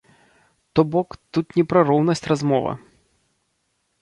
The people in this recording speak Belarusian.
То-бок тут не пра роўнасць размова.